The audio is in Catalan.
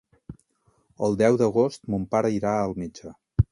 El deu d'agost mon pare irà al metge.